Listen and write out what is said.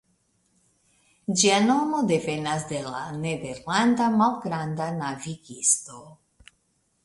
Ĝia nomo devenas de la nederlanda "malgranda navigisto".